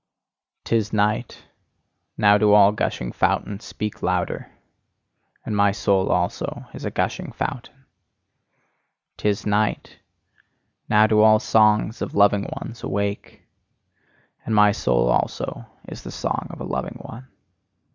'Tis night: now do all gushing fountains speak louder. And my soul also is a gushing fountain. 'Tis night: now do all songs of loving ones awake. And my soul also is the song of a loving one.